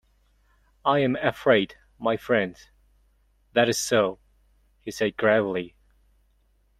"I am afraid, my friend, that is so," he said gravely.